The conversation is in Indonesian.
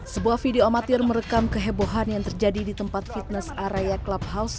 sebuah video amatir merekam kehebohan yang terjadi di tempat fitness area clubhouse